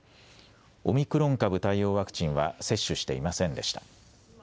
オミクロン株対応ワクチンは接種していませんでした。